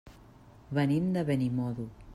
Venim de Benimodo.